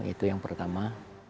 itu yang pertama